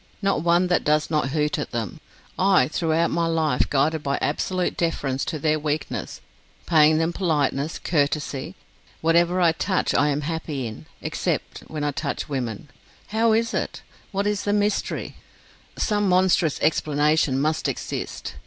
not one that does not hoot at them! I, throughout my life, guided by absolute deference to their weakness paying them politeness, courtesy whatever I touch I am happy in, except when I touch women! How is it? What is the mystery? Some monstrous explanation must exist.